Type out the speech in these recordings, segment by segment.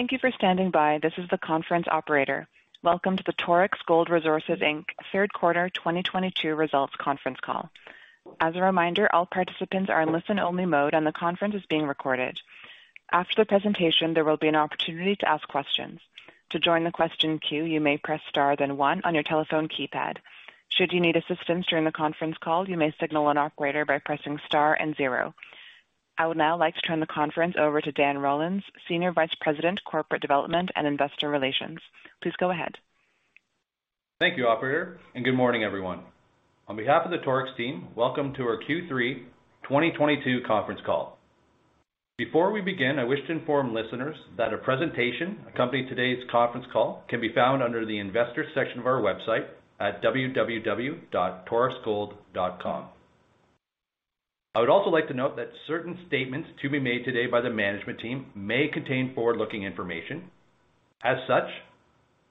Thank you for standing by. This is the conference operator. Welcome to the Torex Gold Resources Inc. third quarter 2022 results conference call. As a reminder, all participants are in listen-only mode, and the conference is being recorded. After the presentation, there will be an opportunity to ask questions. To join the question queue, you may press star then one on your telephone keypad. Should you need assistance during the conference call, you may signal an operator by pressing star and zero. I would now like to turn the conference over to Dan Rollins, Senior Vice President, Corporate Development & Investor Relations. Please go ahead. Thank you, operator, and good morning, everyone. On behalf of the Torex team, welcome to our Q3 2022 conference call. Before we begin, I wish to inform listeners that a presentation accompanying today's conference call can be found under the investor section of our website at www.torexgold.com. I would also like to note that certain statements to be made today by the management team may contain forward-looking information. As such,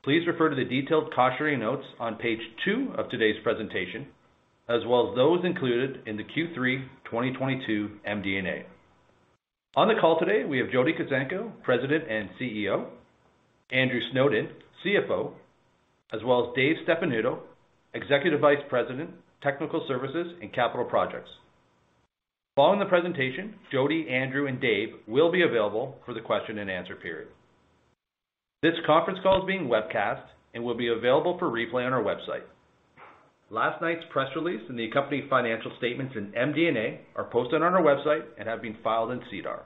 please refer to the detailed cautionary notes on Page 2 of today's presentation, as well as those included in the Q3 2022 MD&A. On the call today, we have Jody Kuzenko, President and CEO, Andrew Snowden, CFO, as well as Dave Stefanuto, Executive Vice President, Technical Services and Capital Projects. Following the presentation, Jody, Andrew, and Dave will be available for the question-and-answer period. This conference call is being webcast and will be available for replay on our website. Last night's press release and the accompanying financial statements in MD&A are posted on our website and have been filed in SEDAR.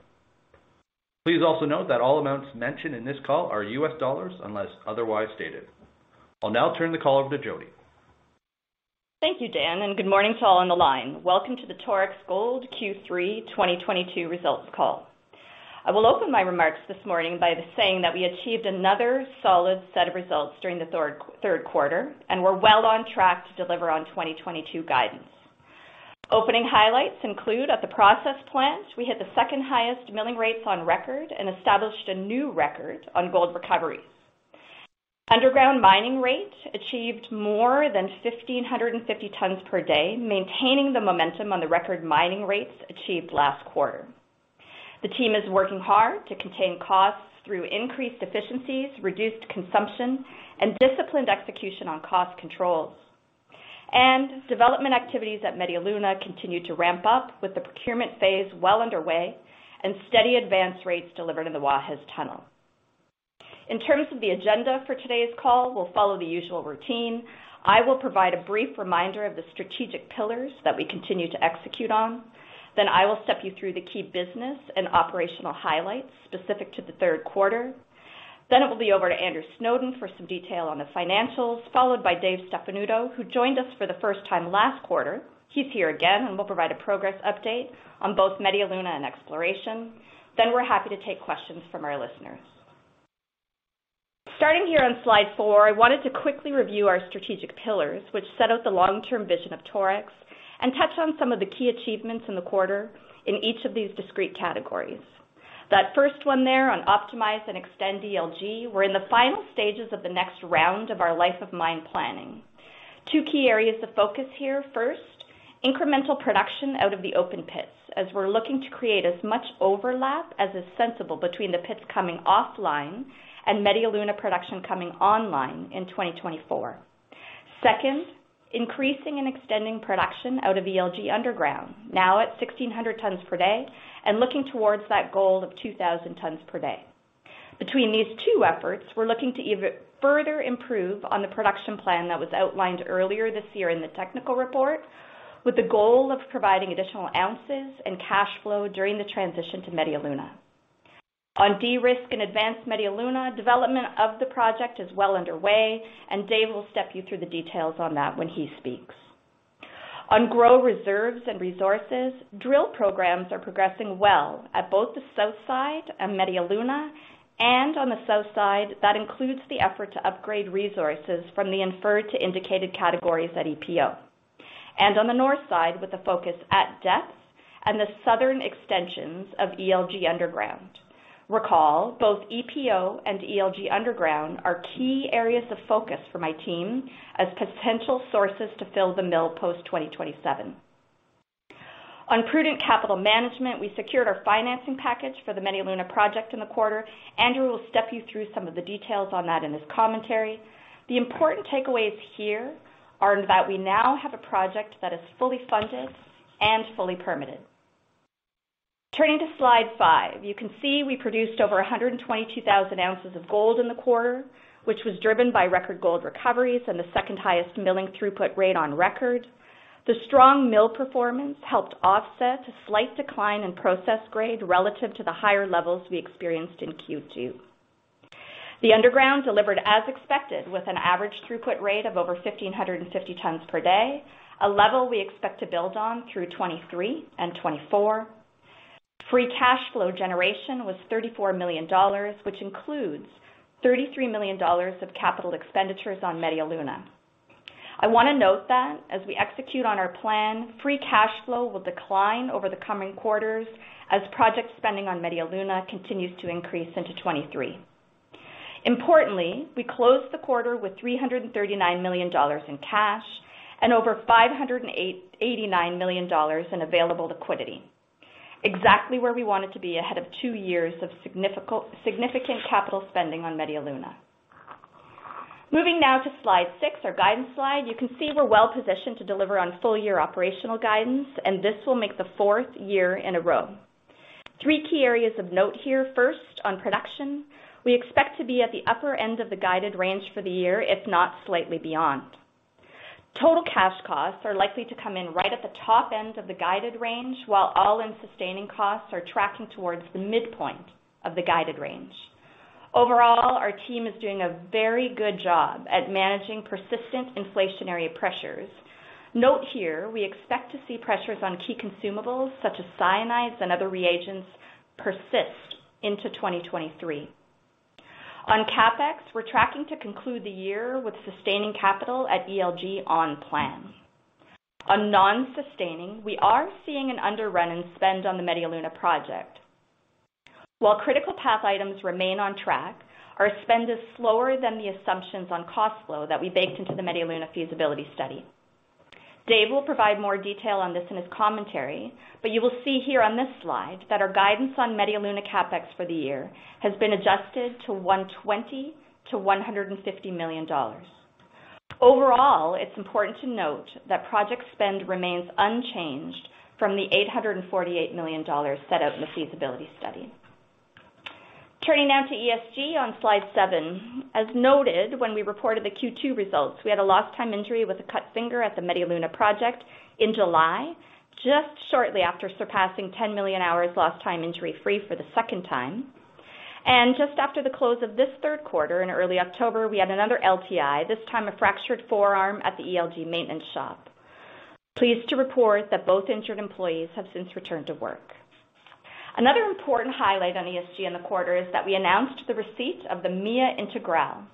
Please also note that all amounts mentioned in this call are US dollars unless otherwise stated. I'll now turn the call over to Jody. Thank you, Dan, and good morning to all on the line. Welcome to the Torex Gold Q3 2022 results call. I will open my remarks this morning by saying that we achieved another solid set of results during the third quarter and we're well on track to deliver on 2022 guidance. Opening highlights include at the process plant, we hit the second-highest milling rates on record and established a new record on gold recovery. Underground mining rates achieved more than 1,550 tons per day, maintaining the momentum on the record mining rates achieved last quarter. The team is working hard to contain costs through increased efficiencies, reduced consumption, and disciplined execution on cost controls. Development activities at Media Luna continue to ramp up with the procurement phase well underway and steady advanced rates delivered in the Guajes Tunnel. In terms of the agenda for today's call, we'll follow the usual routine. I will provide a brief reminder of the strategic pillars that we continue to execute on. I will step you through the key business and operational highlights specific to the third quarter. It will be over to Andrew Snowden for some detail on the financials, followed by Dave Stefanuto, who joined us for the first time last quarter. He's here again and will provide a progress update on both Media Luna and exploration. We're happy to take questions from our listeners. Starting here on slide four, I wanted to quickly review our strategic pillars, which set out the long-term vision of Torex and touch on some of the key achievements in the quarter in each of these discrete categories. That first one there on optimize and extend ELG, we're in the final stages of the next round of our life of mine planning. Two key areas of focus here. First, incremental production out of the open pits, as we're looking to create as much overlap as is sensible between the pits coming offline and Media Luna production coming online in 2024. Second, increasing and extending production out of ELG underground, now at 1,600 tons per day and looking towards that goal of 2,000 tons per day. Between these two efforts, we're looking to even further improve on the production plan that was outlined earlier this year in the technical report, with the goal of providing additional ounces and cash flow during the transition to Media Luna. On de-risk and advance Media Luna, development of the project is well underway, and Dave will step you through the details on that when he speaks. On grow reserves and resources, drill programs are progressing well at both the south side and Media Luna, and on the south side, that includes the effort to upgrade resources from the inferred to indicated categories at EPO. On the north side, with a focus at depth and the southern extensions of ELG underground. Recall, both EPO and ELG underground are key areas of focus for my team as potential sources to fill the mill post-2027. On prudent capital management, we secured our financing package for the Media Luna project in the quarter. Andrew will step you through some of the details on that in his commentary. The important takeaways here are that we now have a project that is fully funded and fully permitted. Turning to slide five, you can see we produced over 122,000 ounces of gold in the quarter, which was driven by record gold recoveries and the second highest milling throughput rate on record. The strong mill performance helped offset a slight decline in process grade relative to the higher levels we experienced in Q2. The underground delivered as expected, with an average throughput rate of over 1,550 tons per day, a level we expect to build on through 2023 and 2024. Free cash flow generation was $34 million, which includes $33 million of capital expenditures on Media Luna. I want to note that as we execute on our plan, free cash flow will decline over the coming quarters as project spending on Media Luna continues to increase into 2023. Importantly, we closed the quarter with $339 million in cash and over $589 million in available liquidity, exactly where we wanted to be ahead of two years of significant capital spending on Media Luna. Moving now to Slide 6, our guidance slide. You can see we're well positioned to deliver on full year operational guidance, and this will make the fourth year in a row. Three key areas of note here. First, on production, we expect to be at the upper end of the guided range for the year, if not slightly beyond. Total cash costs are likely to come in right at the top end of the guided range, while all-in sustaining costs are tracking towards the midpoint of the guided range. Overall, our team is doing a very good job at managing persistent inflationary pressures. Note here, we expect to see pressures on key consumables such as cyanides and other reagents persist into 2023. On CapEx, we're tracking to conclude the year with sustaining capital at ELG on plan. On non-sustaining, we are seeing an underrun in spend on the Media Luna project. While critical path items remain on track, our spend is slower than the assumptions on cost flow that we baked into the Media Luna feasibility study. Dave will provide more detail on this in his commentary, but you will see here on this slide that our guidance on Media Luna CapEx for the year has been adjusted to $120 million-$150 million. Overall, it's important to note that project spend remains unchanged from the $848 million set out in the feasibility study. Turning now to ESG on Slide 7. As noted when we reported the Q2 results, we had a lost time injury with a cut finger at the Media Luna project in July, just shortly after surpassing 10 million hours lost time injury-free for the second time. Just after the close of this third quarter in early October, we had another LTI, this time a fractured forearm at the ELG maintenance shop. Pleased to report that both injured employees have since returned to work. Another important highlight on ESG in the quarter is that we announced the receipt of the MIA Integral,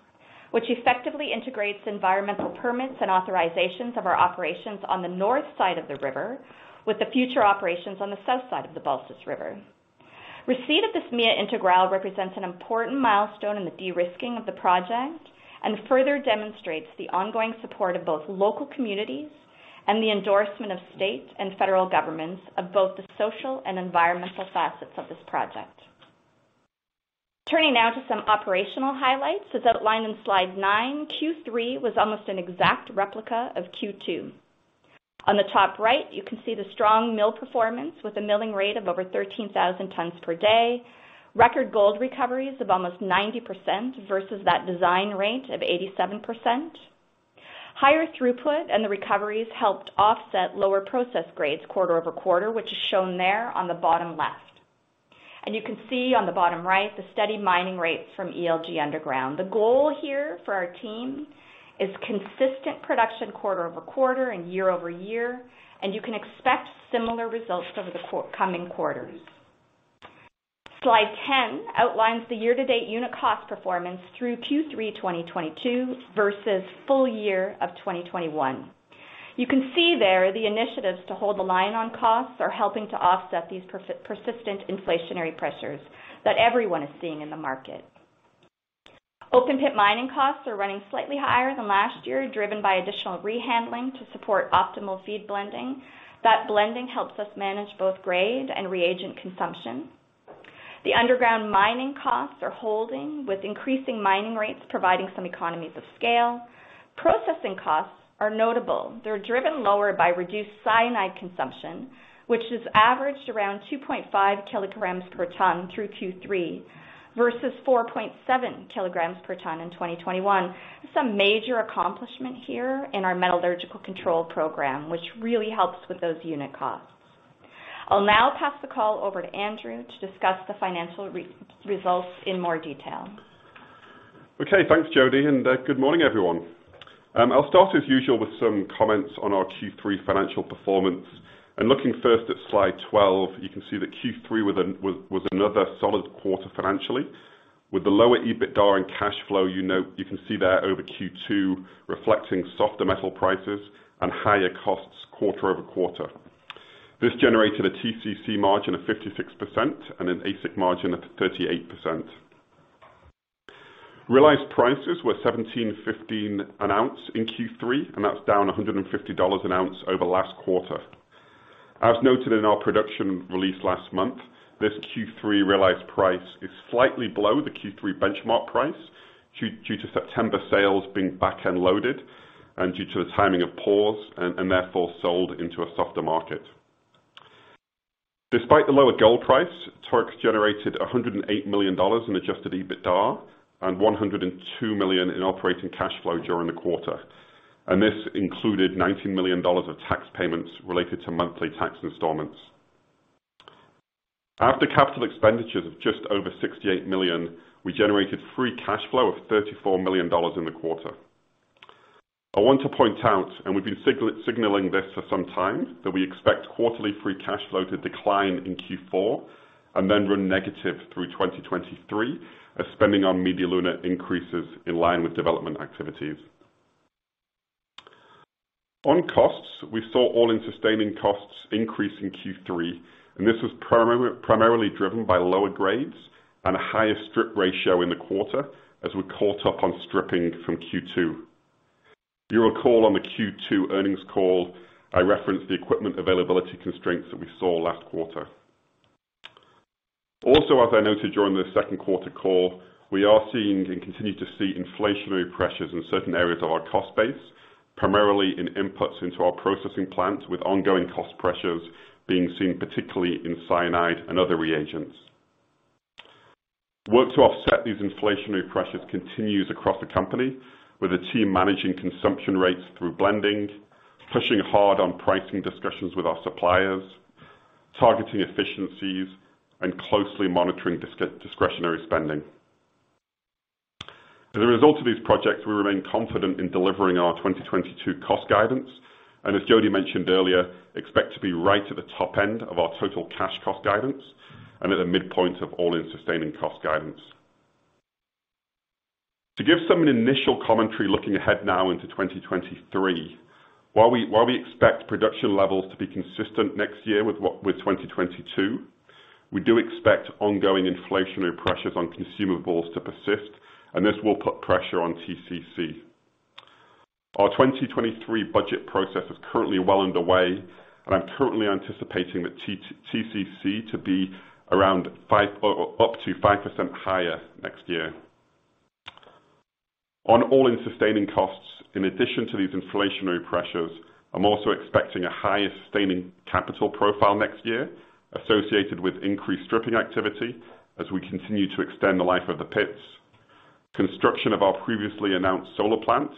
which effectively integrates environmental permits and authorizations of our operations on the north side of the river with the future operations on the south side of the Balsas River. Receipt of this MIA Integral represents an important milestone in the de-risking of the project and further demonstrates the ongoing support of both local communities and the endorsement of state and federal governments of both the social and environmental facets of this project. Turning now to some operational highlights as outlined in slide nine, Q3 was almost an exact replica of Q2. On the top right, you can see the strong mill performance with a milling rate of over 13,000 tons per day. Record gold recoveries of almost 90% versus that design rate of 87%. Higher throughput and the recoveries helped offset lower process grades quarter-over-quarter, which is shown there on the bottom left. You can see on the bottom right the steady mining rates from ELG Underground. The goal here for our team is consistent production quarter-over-quarter and year-over-year, and you can expect similar results over the coming quarters. Slide 10 outlines the year-to-date unit cost performance through Q3 2022 versus full year of 2021. You can see there the initiatives to hold the line on costs are helping to offset these persistent inflationary pressures that everyone is seeing in the market. Open pit mining costs are running slightly higher than last year, driven by additional rehandling to support optimal feed blending. That blending helps us manage both grade and reagent consumption. The underground mining costs are holding, with increasing mining rates providing some economies of scale. Processing costs are notable. They're driven lower by reduced cyanide consumption, which has averaged around 2.5 kg per ton through Q3 versus 4.7 kg per ton in 2021. This is a major accomplishment here in our metallurgical control program, which really helps with those unit costs. I'll now pass the call over to Andrew to discuss the financial results in more detail. Thanks, Jody, and good morning, everyone. I'll start as usual with some comments on our Q3 financial performance. Looking first at Slide 12, you can see that Q3 was another solid quarter financially with the lower EBITDA and cash flow, you know, you can see there over Q2, reflecting softer metal prices and higher costs quarter-over-quarter. This generated a TCC margin of 56% and an AISC margin of 38%. Realized prices were $1,715 an ounce in Q3, and that's down $150 an ounce over last quarter. As noted in our production release last month, this Q3 realized price is slightly below the Q3 benchmark price due to September sales being back-end loaded and the timing of pours and therefore sold into a softer market. Despite the lower gold price, Torex generated $108 million in adjusted EBITDA and $102 million in operating cash flow during the quarter, and this included $19 million of tax payments related to monthly tax installments. After capital expenditures of just over $68 million, we generated free cash flow of $34 million in the quarter. I want to point out, and we've been signaling this for some time, that we expect quarterly free cash flow to decline in Q4 and then run negative through 2023 as spending on Media Luna increases in line with development activities. On costs, we saw all-in sustaining costs increase in Q3, and this was primarily driven by lower grades and a higher strip ratio in the quarter as we caught up on stripping from Q2. You'll recall on the Q2 earnings call, I referenced the equipment availability constraints that we saw last quarter. Also, as I noted during the second quarter call, we are seeing and continue to see inflationary pressures in certain areas of our cost base, primarily in inputs into our processing plants, with ongoing cost pressures being seen particularly in cyanide and other reagents. Work to offset these inflationary pressures continues across the company with the team managing consumption rates through blending, pushing hard on pricing discussions with our suppliers, targeting efficiencies, and closely monitoring discretionary spending. As a result of these projects, we remain confident in delivering our 2022 cost guidance, and as Jody mentioned earlier, expect to be right at the top end of our total cash cost guidance and at the midpoint of all-in sustaining cost guidance. To give some initial commentary looking ahead now into 2023, while we expect production levels to be consistent next year with 2022, we do expect ongoing inflationary pressures on consumables to persist, and this will put pressure on TCC. Our 2023 budget process is currently well underway and I'm currently anticipating the TCC to be around 5% or up to 5% higher next year. On all-in sustaining costs, in addition to these inflationary pressures, I'm also expecting a higher sustaining capital profile next year associated with increased stripping activity as we continue to extend the life of the pits, construction of our previously announced solar plant,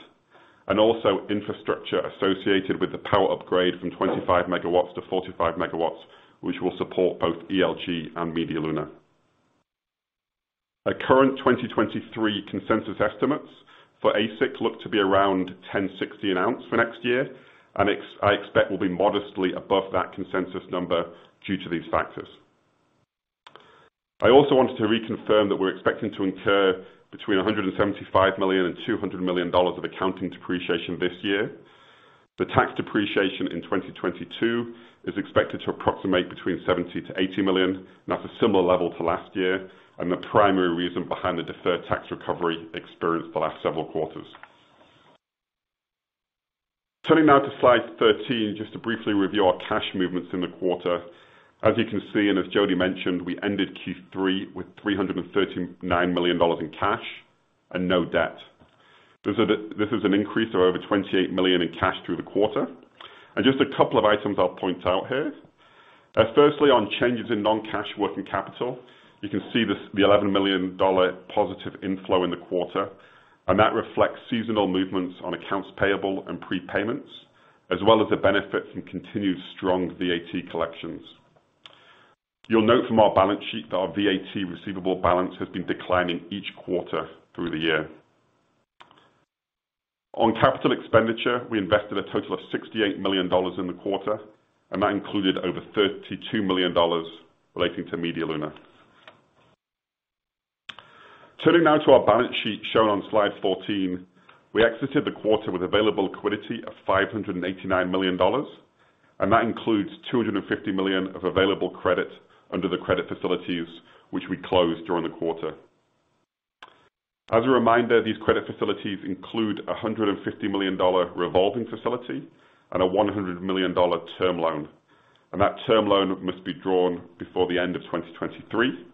and also infrastructure associated with the power upgrade from 25 MW-45 MW, which will support both ELG and Media Luna. Our current 2023 consensus estimates for AISC look to be around $1,060 an ounce for next year, and I expect will be modestly above that consensus number due to these factors. I also wanted to reconfirm that we're expecting to incur between $175 million and $200 million of accounting depreciation this year. The tax depreciation in 2022 is expected to approximate between $70 million and $80 million, and that's a similar level to last year and the primary reason behind the deferred tax recovery experienced the last several quarters. Turning now to Slide 13, just to briefly review our cash movements in the quarter. As you can see, as Jody mentioned, we ended Q3 with $339 million in cash and no debt. This is an increase of over $28 million in cash through the quarter. Just a couple of items I'll point out here. Firstly, on changes in non-cash working capital, you can see this, the $11 million positive inflow in the quarter, and that reflects seasonal movements on accounts payable and prepayments, as well as the benefit from continued strong VAT collections. You'll note from our balance sheet that our VAT receivable balance has been declining each quarter through the year. On capital expenditure, we invested a total of $68 million in the quarter, and that included over $32 million relating to Media Luna. Turning now to our balance sheet shown on Slide 14. We exited the quarter with available liquidity of $589 million, and that includes $250 million of available credit under the credit facilities which we closed during the quarter. As a reminder, these credit facilities include $150 million revolving facility and a $100 million term loan, and that term loan must be drawn before the end of 2023.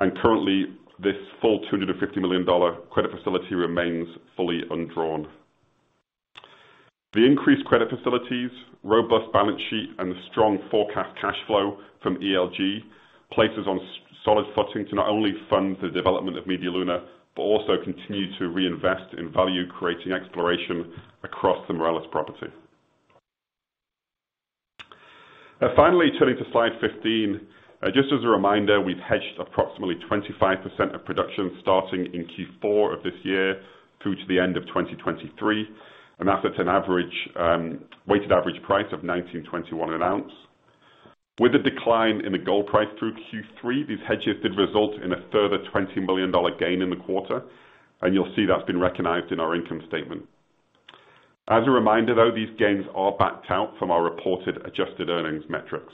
Currently, this full $250 million credit facility remains fully undrawn. The increased credit facilities, robust balance sheet, and the strong forecast cash flow from ELG places us on a solid footing to not only fund the development of Media Luna, but also continue to reinvest in value creating exploration across the Morelos Property. Finally, turning to Slide 15. Just as a reminder, we've hedged approximately 25% of production starting in Q4 of this year through to the end of 2023, and that's at an average, weighted average price of $1,921 an ounce. With the decline in the gold price through Q3, these hedges did result in a further $20 million gain in the quarter, and you'll see that's been recognized in our income statement. As a reminder, though, these gains are backed out from our reported adjusted earnings metrics.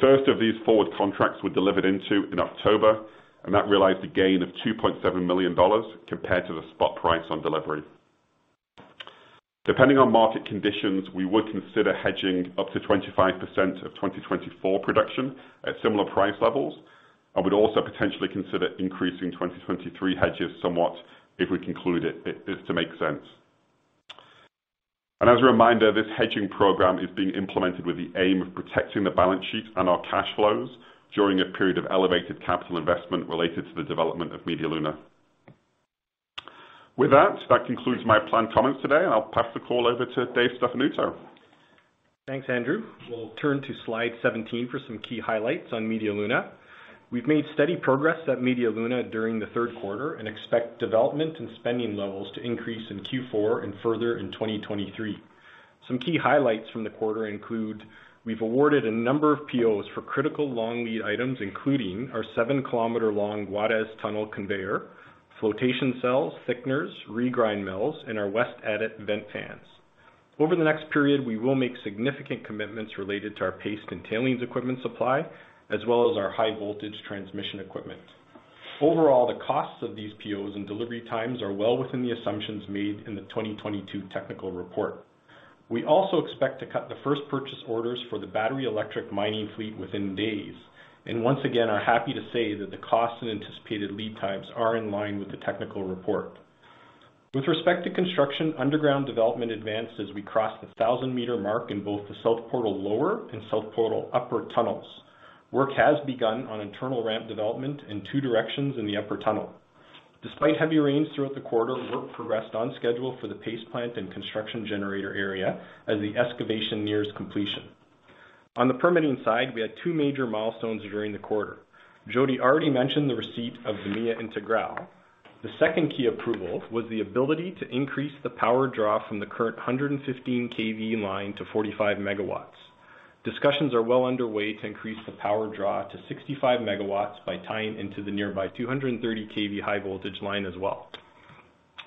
The first of these forward contracts were delivered into in October, and that realized a gain of $2.7 million compared to the spot price on delivery. Depending on market conditions, we would consider hedging up to 25% of 2024 production at similar price levels and would also potentially consider increasing 2023 hedges somewhat if we conclude it to make sense. As a reminder, this hedging program is being implemented with the aim of protecting the balance sheet and our cash flows during a period of elevated capital investment related to the development of Media Luna. With that, concludes my planned comments today. I'll pass the call over to Dave Stefanuto. Thanks, Andrew. We'll turn to Slide 17 for some key highlights on Media Luna. We've made steady progress at Media Luna during the third quarter and expect development and spending levels to increase in Q4 and further in 2023. Some key highlights from the quarter include we've awarded a number of POs for critical long lead items, including our 7-kilometer long Guajes Tunnel conveyor, flotation cells, thickeners, regrind mills, and our west adit vent fans. Over the next period, we will make significant commitments related to our paste and tailings equipment supply, as well as our high voltage transmission equipment. Overall, the costs of these POs and delivery times are well within the assumptions made in the 2022 technical report. We also expect to cut the first purchase orders for the battery electric mining fleet within days, and once again are happy to say that the costs and anticipated lead times are in line with the technical report. With respect to construction, underground development advanced as we crossed the 1,000 meter mark in both the south portal lower and south portal upper tunnels. Work has begun on internal ramp development in two directions in the upper tunnel. Despite heavy rains throughout the quarter, work progressed on schedule for the paste plant and construction generator area as the excavation nears completion. On the permitting side, we had two major milestones during the quarter. Jody already mentioned the receipt of the MIA Integral. The second key approval was the ability to increase the power draw from the current 115 KV line to 45 MW. Discussions are well underway to increase the power draw to 65 MW by tying into the nearby 230 KV high voltage line as well.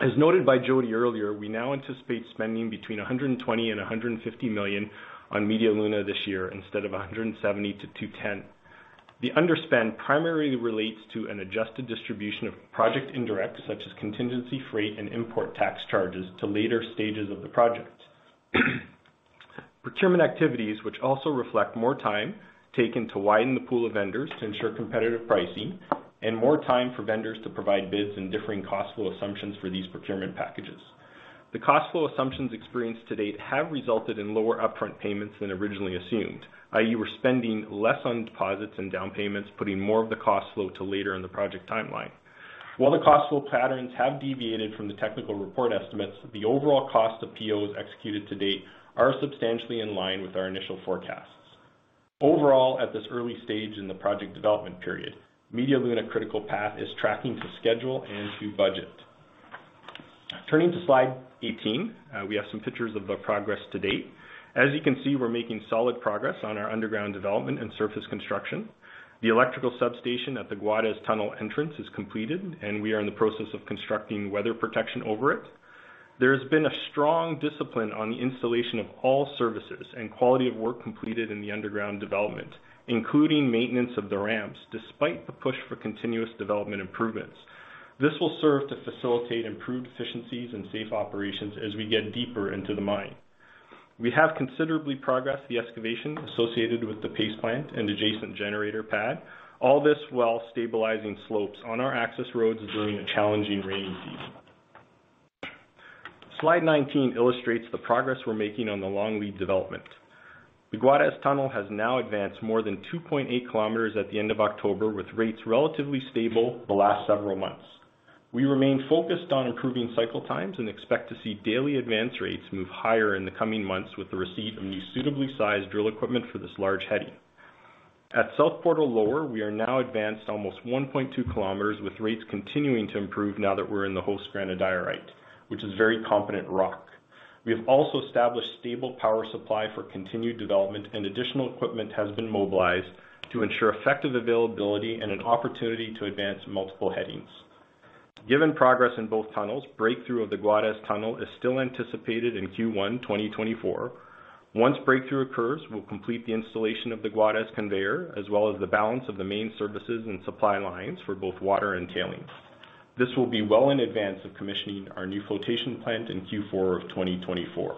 As noted by Jody earlier, we now anticipate spending between $120 million and $150 million on Media Luna this year instead of $170 million-$210 million. The underspend primarily relates to an adjusted distribution of project indirect, such as contingency freight and import tax charges to later stages of the project. Procurement activities, which also reflect more time taken to widen the pool of vendors to ensure competitive pricing and more time for vendors to provide bids and differing cost flow assumptions for these procurement packages. The cost flow assumptions experienced to date have resulted in lower upfront payments than originally assumed, i.e. We're spending less on deposits and down payments, putting more of the cost flow to later in the project timeline. While the cost flow patterns have deviated from the technical report estimates, the overall cost of POs executed to date are substantially in line with our initial forecasts. Overall, at this early stage in the project development period, Media Luna critical path is tracking to schedule and to budget. Turning to Slide 18, we have some pictures of the progress to date. As you can see, we're making solid progress on our underground development and surface construction. The electrical substation at the Guajes Tunnel entrance is completed, and we are in the process of constructing weather protection over it. There has been a strong discipline on the installation of all services and quality of work completed in the underground development, including maintenance of the ramps, despite the push for continuous development improvements. This will serve to facilitate improved efficiencies and safe operations as we get deeper into the mine. We have considerably progressed the excavation associated with the paste plant and adjacent generator pad, all this while stabilizing slopes on our access roads during a challenging rainy season. Slide 19 illustrates the progress we're making on the long lead development. The Guajes Tunnel has now advanced more than 2.8 km at the end of October, with rates relatively stable the last several months. We remain focused on improving cycle times and expect to see daily advance rates move higher in the coming months with the receipt of new suitably sized drill equipment for this large heading. At South Portal Lower, we are now advanced almost 1.2 km, with rates continuing to improve now that we're in the host granodiorite, which is very competent rock. We have also established stable power supply for continued development, and additional equipment has been mobilized to ensure effective availability and an opportunity to advance multiple headings. Given progress in both tunnels, breakthrough of the Guajes Tunnel is still anticipated in Q1 2024. Once breakthrough occurs, we'll complete the installation of the Guajes conveyor, as well as the balance of the main services and supply lines for both water and tailings. This will be well in advance of commissioning our new flotation plant in Q4 2024.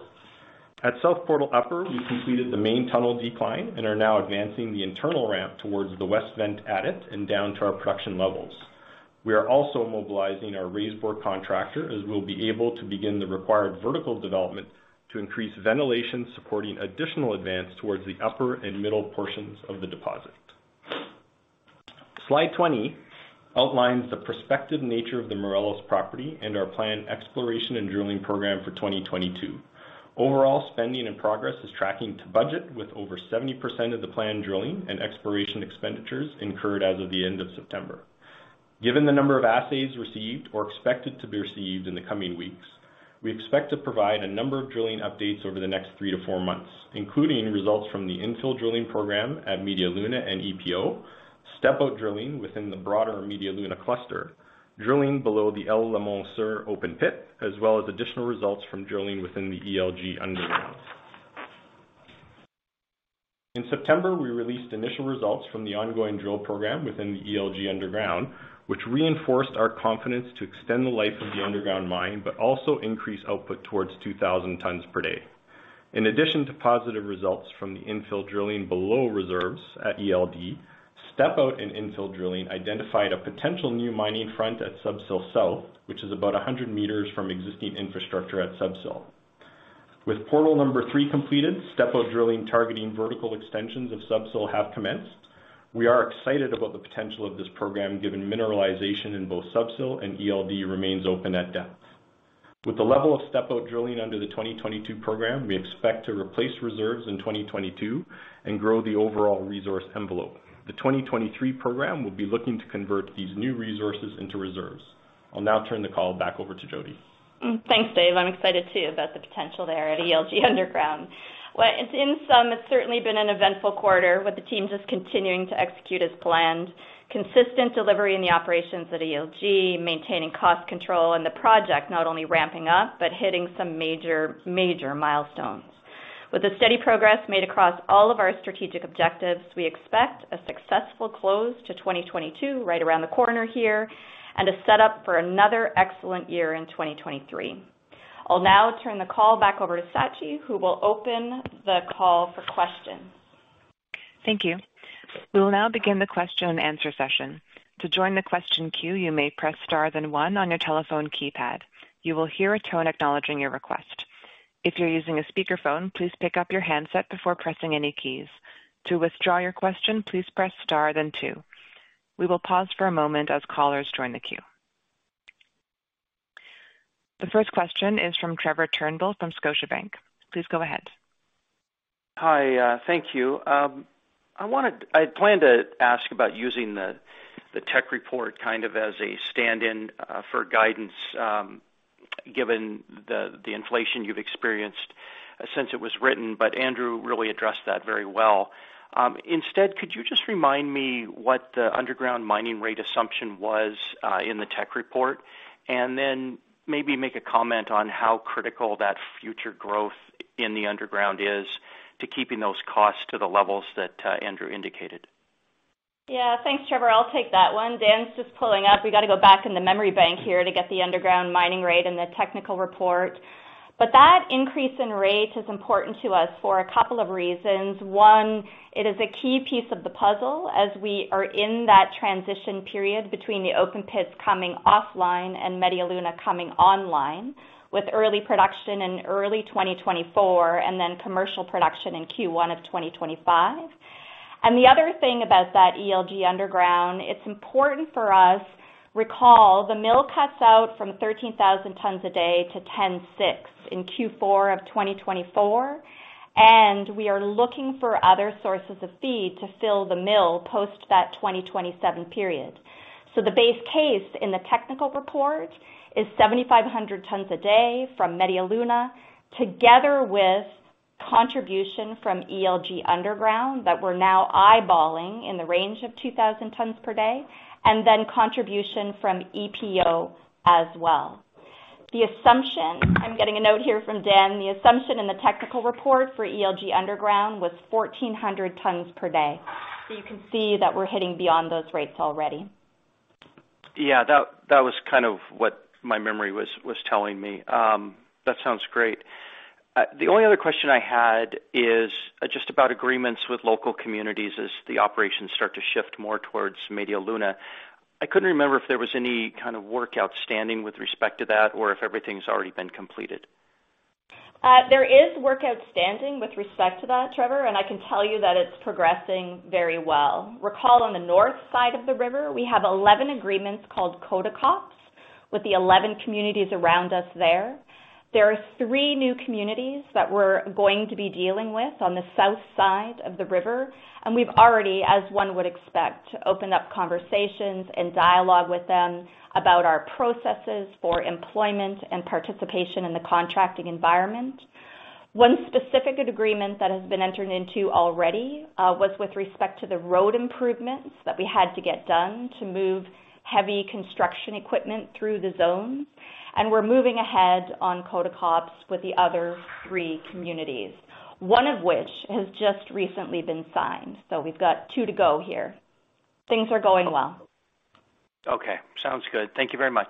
At South Portal Upper, we completed the main tunnel decline and are now advancing the internal ramp towards the west vent adit and down to our production levels. We are also mobilizing our raise bore contractor, as we'll be able to begin the required vertical development to increase ventilation, supporting additional advance towards the upper and middle portions of the deposit. Slide 20 outlines the prospective nature of the Morelos Property and our planned exploration and drilling program for 2022. Overall, spending and progress is tracking to budget, with over 70% of the planned drilling and exploration expenditures incurred as of the end of September. Given the number of assays received or expected to be received in the coming weeks, we expect to provide a number of drilling updates over the next three to four months, including results from the infill drilling program at Media Luna and EPO, step-out drilling within the broader Media Luna cluster, drilling below the El Limón Sur open pit, as well as additional results from drilling within the ELG underground. In September, we released initial results from the ongoing drill program within the ELG underground, which reinforced our confidence to extend the life of the underground mine, but also increase output towards 2,000 tons per day. In addition to positive results from the infill drilling below reserves at ELD, step-out and infill drilling identified a potential new mining front at Sub-Sill South, which is about 100 meters from existing infrastructure at Sub-Sill. With portal number three completed, step-out drilling targeting vertical extensions of Sub-Sill have commenced. We are excited about the potential of this program, given mineralization in both Sub-Sill and ELD remains open at depth. With the level of step-out drilling under the 2022 program, we expect to replace reserves in 2022 and grow the overall resource envelope. The 2023 program will be looking to convert these new resources into reserves. I'll now turn the call back over to Jody. Thanks, Dave. I'm excited too about the potential there at ELG Underground. Well, in sum, it's certainly been an eventful quarter with the team just continuing to execute as planned. Consistent delivery in the operations at ELG, maintaining cost control and the project not only ramping up but hitting some major milestones. With the steady progress made across all of our strategic objectives, we expect a successful close to 2022 right around the corner here, and a set up for another excellent year in 2023. I'll now turn the call back over to Sachi, who will open the call for questions. Thank you. We will now begin the question and answer session. To join the question queue, you may press star then one on your telephone keypad. You will hear a tone acknowledging your request. If you're using a speakerphone, please pick up your handset before pressing any keys. To withdraw your question, please press star then two. We will pause for a moment as callers join the queue. The first question is from Trevor Turnbull from Scotiabank. Please go ahead. Hi. Thank you. I had planned to ask about using the tech report kind of as a stand-in for guidance, given the inflation you've experienced since it was written, but Andrew really addressed that very well. Instead, could you just remind me what the underground mining rate assumption was in the tech report? And then maybe make a comment on how critical that future growth in the underground is to keeping those costs to the levels that Andrew indicated. Yeah. Thanks, Trevor. I'll take that one. Dan's just pulling up. We gotta go back in the memory bank here to get the underground mining rate and the technical report. That increase in rate is important to us for a couple of reasons. One, it is a key piece of the puzzle as we are in that transition period between the open pits coming offline and Media Luna coming online, with early production in early 2024 and then commercial production in Q1 of 2025. The other thing about that ELG Underground, it's important for us. Recall, the mill cuts out from 13,000 tons a day to 10,600 in Q4 of 2024, and we are looking for other sources of feed to fill the mill post that 2027 period. The base case in the technical report is 7,500 tons a day from Media Luna, together with contribution from ELG Underground that we're now eyeballing in the range of 2,000 tons per day, and then contribution from EPO as well. I'm getting a note here from Dan. The assumption in the technical report for ELG Underground was 1,400 tons per day. You can see that we're hitting beyond those rates already. Yeah, that was kind of what my memory was telling me. That sounds great. The only other question I had is just about agreements with local communities as the operations start to shift more towards Media Luna. I couldn't remember if there was any kind of work outstanding with respect to that or if everything's already been completed. There is work outstanding with respect to that, Trevor, and I can tell you that it's progressing very well. Recall on the north side of the river, we have 11 agreements called CODECOPs with the 11 communities around us there. There are three new communities that we're going to be dealing with on the south side of the river, and we've already, as one would expect, opened up conversations and dialogue with them about our processes for employment and participation in the contracting environment. One specific agreement that has been entered into already was with respect to the road improvements that we had to get done to move heavy construction equipment through the zone, and we're moving ahead on CODECOPs with the other three communities, one of which has just recently been signed. We've got two to go here. Things are going well. Okay. Sounds good. Thank you very much.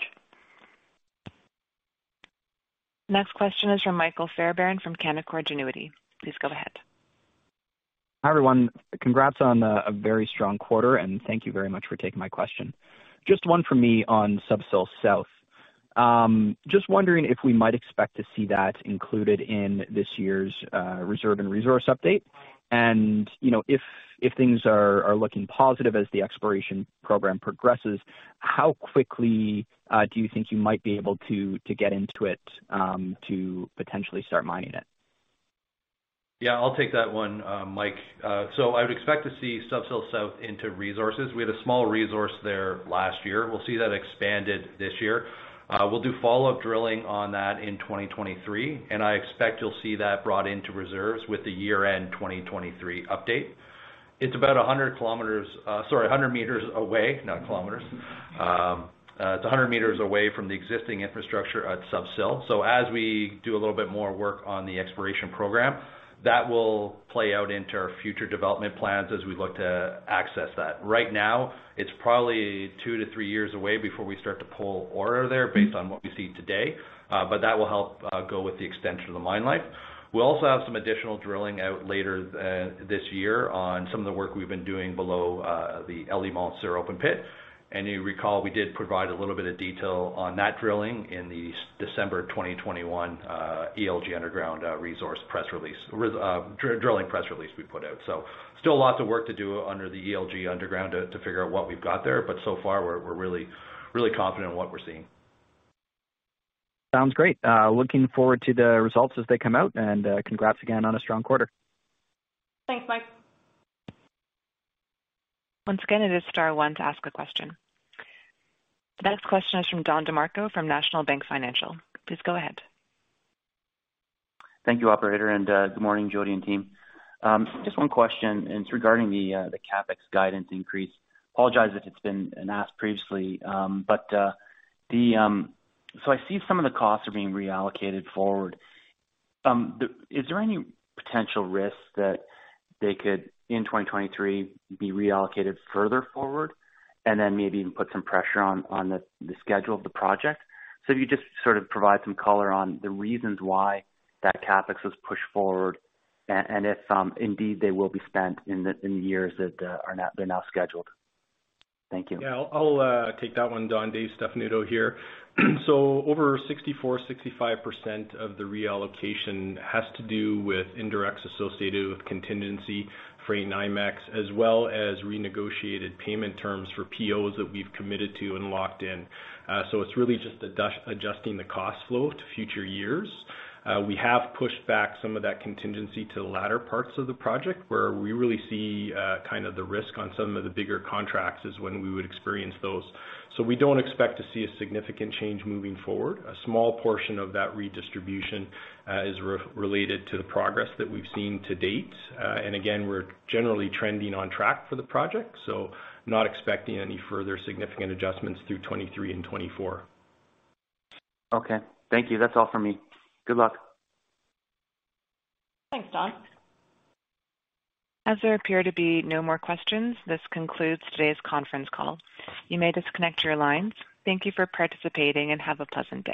Next question is from Michael Fairbairn from Canaccord Genuity. Please go ahead. Hi, everyone. Congrats on a very strong quarter, and thank you very much for taking my question. Just one for me on Sub-Sill South. Just wondering if we might expect to see that included in this year's reserve and resource update. You know, if things are looking positive as the exploration program progresses, how quickly do you think you might be able to get into it to potentially start mining it? Yeah, I'll take that one, Mike. I would expect to see Sub-Sill South into resources. We had a small resource there last year. We'll see that expanded this year. We'll do follow-up drilling on that in 2023, and I expect you'll see that brought into reserves with the year-end 2023 update. It's about 100 meters away, not kilometers. It's 100 meters away from the existing infrastructure at Sub-Sill. As we do a little bit more work on the exploration program, that will play out into our future development plans as we look to access that. Right now, it's probably two to three years away before we start to pull ore there based on what we see today, but that will help go with the extension of the mine life. We also have some additional drilling out later this year on some of the work we've been doing below the El Molino open pit. You recall, we did provide a little bit of detail on that drilling in the December 2021 ELG underground drilling press release we put out. Still lots of work to do under the ELG underground to figure out what we've got there, but so far we're really confident in what we're seeing. Sounds great. Looking forward to the results as they come out, and congrats again on a strong quarter. Thanks, Mike. Once again, it is star one to ask a question. The next question is from Don DeMarco from National Bank Financial. Please go ahead. Thank you, operator, and good morning, Jody and team. Just one question, and it's regarding the CapEx guidance increase. Apologize if it's been asked previously. I see some of the costs are being reallocated forward. Is there any potential risk that they could, in 2023, be reallocated further forward and then maybe even put some pressure on the schedule of the project? If you just sort of provide some color on the reasons why that CapEx was pushed forward and if indeed they will be spent in the years that are now scheduled. Thank you. Yeah, I'll take that one, Don. Dave Stefanuto here. Over 64%-65% of the reallocation has to do with indirects associated with contingency, freight, NIMACs, as well as renegotiated payment terms for POs that we've committed to and locked in. It's really just adjusting the cost flow to future years. We have pushed back some of that contingency to the latter parts of the project, where we really see kind of the risk on some of the bigger contracts is when we would experience those. We don't expect to see a significant change moving forward. A small portion of that redistribution is related to the progress that we've seen to date. Again, we're generally trending on track for the project, so not expecting any further significant adjustments through 2023 and 2024. Okay. Thank you. That's all for me. Good luck. Thanks, Don. As there appear to be no more questions, this concludes today's conference call. You may disconnect your lines. Thank you for participating and have a pleasant day.